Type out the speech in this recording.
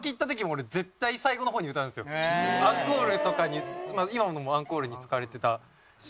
アンコールとかにまあ今のもアンコールに使われてたし。